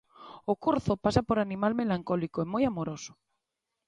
O corzo pasa por animal melancólico e moi amoroso.